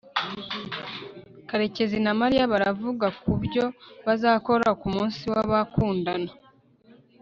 karekezi na mariya baravuga kubyo bazakora kumunsi w'abakundana